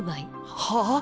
はあ？